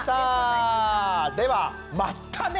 ではまったね！